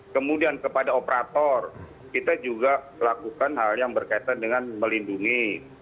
kemudian kepada operator kita juga lakukan hal yang berkaitan dengan melindungi